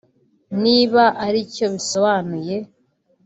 niba aricyo bisobanuye